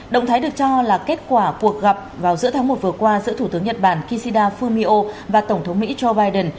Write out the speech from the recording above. động thái được cho là kết quả cuộc gặp vào giữa tháng một vừa qua giữa thủ tướng nhật bản kishida fumio và tổng thống mỹ joe biden